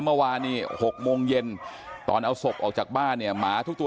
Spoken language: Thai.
เมื่อวานนี้๖โมงเย็นตอนเอาศพออกจากบ้านเนี่ยหมาทุกตัว